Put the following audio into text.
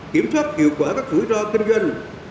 kiểm soát hiệu quả các rủi ro kinh doanh